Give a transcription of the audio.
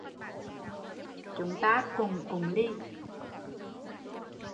Chúng ta cùng cụng ly